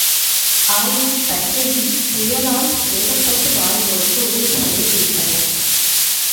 ஆயினும், தஞ்சையில், புயலால் சேதப்பட்டு வாடுவோருக்கு உதவி செய்யத் துடித்தனர்.